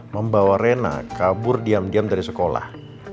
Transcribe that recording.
membawa rena kabur diam diam dari sekolah